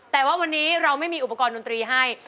แต่ว่าวันนี้เราไม่มีอุปกรณ์ดนตรีให้